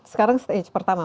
sekarang stage pertama